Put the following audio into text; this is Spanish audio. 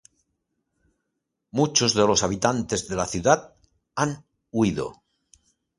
Muchos de los habitantes de la ciudad han huido.